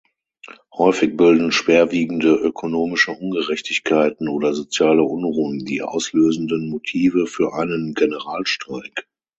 Häufig bilden schwerwiegende ökonomische Ungerechtigkeiten oder soziale Unruhen die auslösenden Motive für einen Generalstreik.